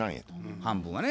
半分はね。